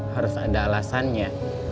harus ada alasannya